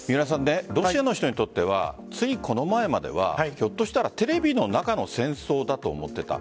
ロシアの人にとってはついこの前まではひょっとしたらテレビの中の戦争だと思っていた。